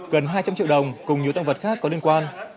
gần hai trăm linh triệu đồng cùng nhiều tăng vật khác có liên quan